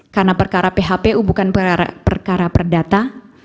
karena perkara phpu bukan perkara perdata